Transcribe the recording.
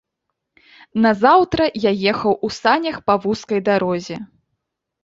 Назаўтра я ехаў у санях па вузкай дарозе.